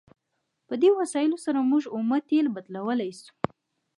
په دې وسایلو سره موږ اومه تیل بدلولی شو.